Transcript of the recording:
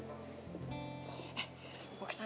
eh gue kesana ya